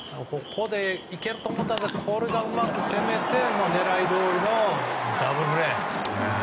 ここで行けると思ったんですがこれでうまく攻めて狙いどおりのダブルプレー！